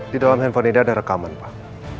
di dalam handphone ini ada rekaman pak